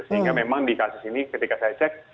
sehingga memang di kasus ini ketika saya cek